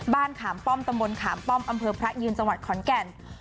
ขามป้อมตำบลขามป้อมอำเภอพระยืนจังหวัดขอนแก่น